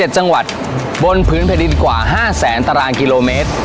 ๗จังหวัดบนพื้นแผ่นดินกว่า๕แสนตารางกิโลเมตร